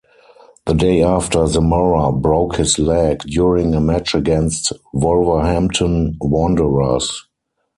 The day after, Zamora broke his leg during a match against Wolverhampton Wanderers.